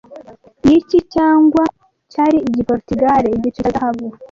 Niki cyangwa cyari Igiporutugali Igiceri cya Zahabu